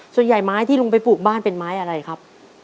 ไม้ที่ลุงไปปลูกบ้านเป็นไม้อะไรครับ